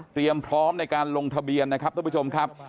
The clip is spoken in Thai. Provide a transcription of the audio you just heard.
พร้อมในการลงทะเบียนนะครับท่านผู้ชมครับ